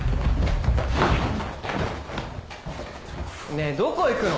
ねえどこ行くの？